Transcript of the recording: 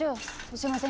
すいません